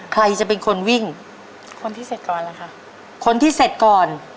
ใครจะเป็นคนวิ่งคนที่เสร็จก่อนล่ะค่ะคนที่เสร็จก่อน